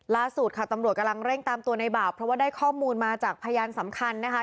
ล่าสุดค่ะตำรวจกำลังเร่งตามตัวในบ่าวเพราะว่าได้ข้อมูลมาจากพยานสำคัญนะคะ